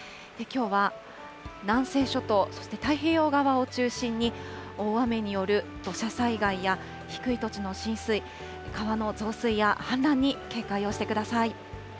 きょうは南西諸島、そして太平洋側を中心に大雨による土砂災害や低い土地の浸水、川の増水や氾濫に警戒をしてください。